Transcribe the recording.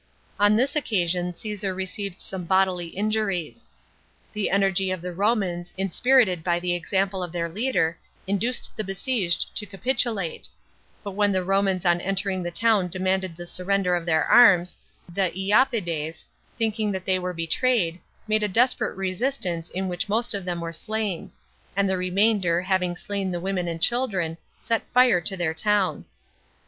On this occasion Caesar received some bodily injuries. The energy of the Romans, inspirited by the example of their leader, induced the besieged to capitulate; but when the Romans on entering the town demanded the surrender of their arms, the lapydes, thinking that they were betrayed, made a desperate resistance in which most of them were slain ; and the remainder, having slain the women and children, set fire to their town.